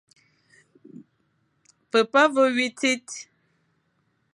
Pepa a ve wui tsit.